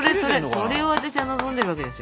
それを私は望んでるわけですよ。